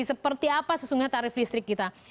seperti apa sesungguhnya tarif listrik kita